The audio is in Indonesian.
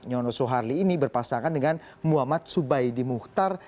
nyono soeharli ini berpasangan dengan muhammad subaidimuhtar